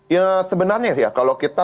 ya sebenarnya sih ya kalau kita